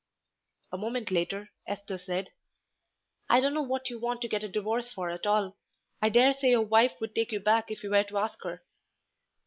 A moment later Esther said "I don't know what you want to get a divorce for at all. I daresay your wife would take you back if you were to ask her."